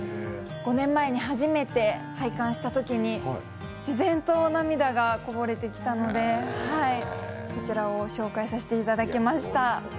５年前に初めて拝観したときに自然と涙がこぼれてきたのでこちらを紹介させていただきました。